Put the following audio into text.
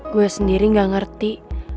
gue sendiri gak ngerti